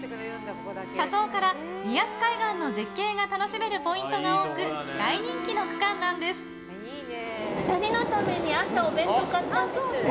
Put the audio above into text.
車窓から、リアス海岸の絶景が楽しめるポイントが多く２人のために朝、お弁当を買ったんです。